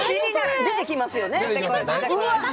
出てきますよね。